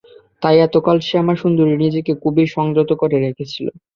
তাই এতকাল শ্যামাসুন্দরী নিজেকে খুবই সংযত করে রেখেছিল।